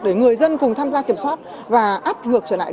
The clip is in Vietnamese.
để người dân cùng tham gia kiểm soát và áp ngược trở lại